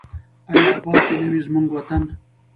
آیا اباد دې نه وي زموږ وطن؟